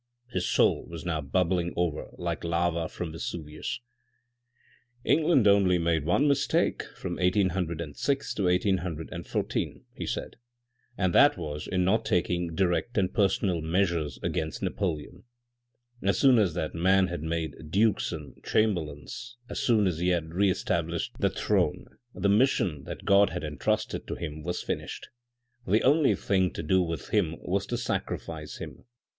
His soul was now bubbling over like lava from Vesuvius. "England only made one mistake from 1806 to 1814," he said, "and that was in not taking direct and personal measures against Napoleon. As soon as that man had made dukes and chamberlains, as soon as he had re established the throne, the mission that God had entrusted to him was finished. The only thing to do with him was to sacrifice him.